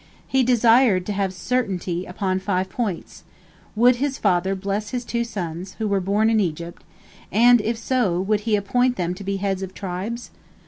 He desired to have certainty upon five points: Would his father bless his two sons, who were born in Egypt, and, if so, would he appoint them to be heads of tribes?